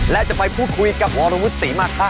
และจะไปพูดคุยกับวรวุฒิศรีมาคะ